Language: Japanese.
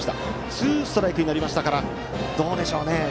ツーストライクになりましたがどうでしょうね。